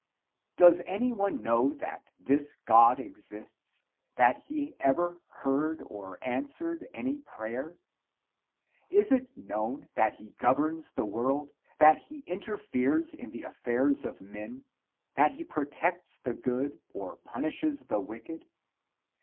Does anyone know that this God exists; that he ever heard or answered any prayer? Is it known that he governs the world; that he interferes in the affairs of men; that he protects the good or punishes the wicked?